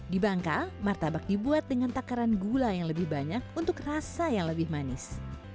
di bangka martabak dibuat dengan takaran gula yang lebih banyak untuk rasa yang lebih manis